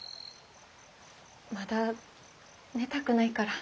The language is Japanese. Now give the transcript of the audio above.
・まだ寝たくないから。